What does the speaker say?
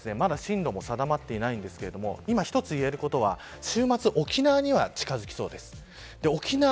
風に乗れないので今の段階では、まだ進路も定まっていないんですが今一つ言えることは週末、沖縄には近づきそうです。